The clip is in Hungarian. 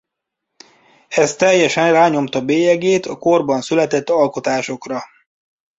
Ez teljesen rányomta bélyegét a korban született alkotásokra.